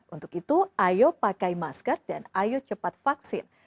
untuk itu ayo pakai masker dan ayo cepat vaksin